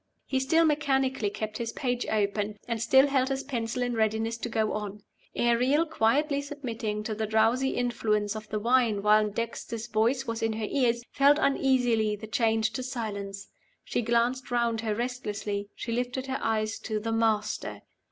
He still mechanically kept his page open, and still held his pencil in readiness to go on. Ariel, quietly submitting to the drowsy influence of the wine while Dexter's voice was in her ears, felt uneasily the change to silence. She glanced round her restlessly; she lifted her eyes to "the Master."